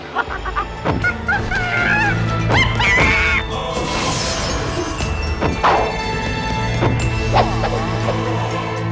menysin biasanya lebih anak anak